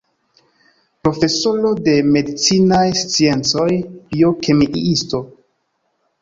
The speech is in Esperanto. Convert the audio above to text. Profesoro de medicinaj sciencoj, biokemiisto.